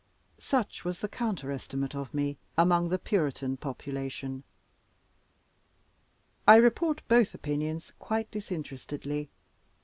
Such was the counter estimate of me among the Puritan population. I report both opinions quite disinterestedly.